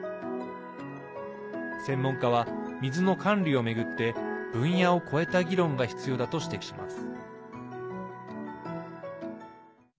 専門家は水の管理を巡って分野を超えた議論が必要だと指摘します。